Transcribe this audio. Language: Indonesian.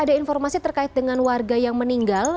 ada informasi terkait dengan warga yang meninggal